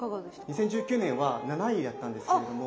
２０１９年は７位だったんですけれども。